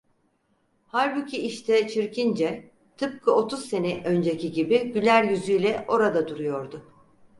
Halbuki işte Çirkince, tıpkı otuz sene önceki gibi, güler yüzüyle orada duruyordu.